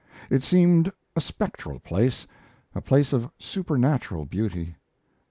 It seemed a spectral land, a place of supernatural beauty.